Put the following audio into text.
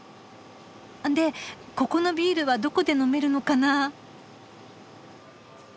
でここのビールはどこで飲めるのかなぁ？